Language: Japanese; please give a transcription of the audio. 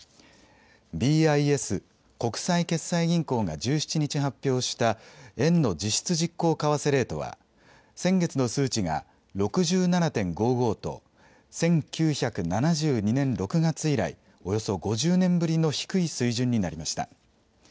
ＢＩＳ・国際決済銀行が１７日発表した円の実質実効為替レートは、先月の数値が６７．５５と、１９７２年６月以来、およそ５０年ぶりの低い水準になりました。